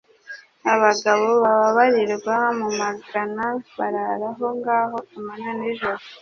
Abagabo babarirwa mu magana barara aho ngaho amanywa n'ijoro.